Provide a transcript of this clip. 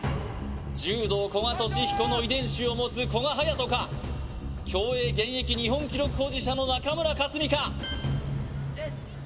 柔道・古賀稔彦の遺伝子を持つ古賀颯人か競泳現役日本記録保持者の中村克かいっせのせ！